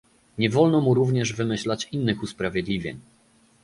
Nie wolno mu również wymyślać innych usprawiedliwień